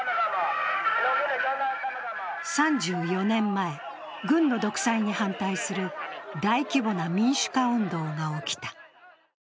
３４年前、軍の独裁に反対する大規模な民主化運動が起きた。